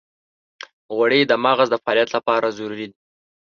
غوړې د مغز د فعالیت لپاره ضروري دي.